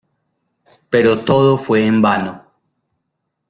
Pero todo fue en vano.